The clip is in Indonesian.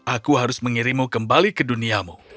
aku harus mengirimu kembali ke duniamu